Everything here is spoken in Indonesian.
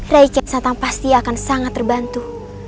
rai ken santang pasti akan sangat terbantu